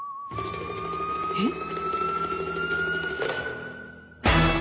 えっ？